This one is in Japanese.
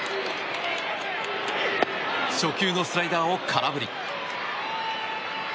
初球のスライダーを空振り。